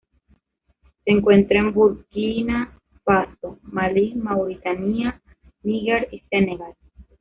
Se encuentra en Burkina Faso, Malí Mauritania, Níger y Senegal.